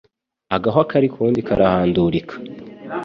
Agahwa kari k'uwundi karahandurika.